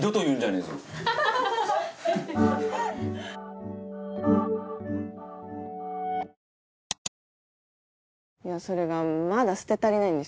いやそれがまだ捨て足りないんですよ。